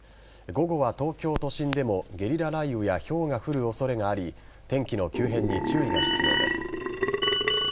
午後は東京都心でもゲリラ雷雨やひょうが降る恐れがあり天気の急変に注意が必要です。